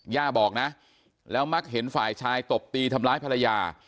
ย่าบอกนะแล้วมักเห็นฝ่ายชายตบตีทำร้ายภรรยา